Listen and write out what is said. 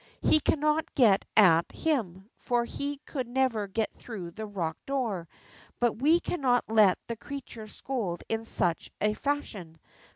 He cannot get at him, for he could never get through the rock door, but we cannot let the creature scold in such a fashion.